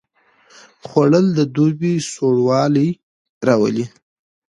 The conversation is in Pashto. خوړل د دوبي سوړ والی راولي